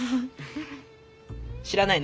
知らないの？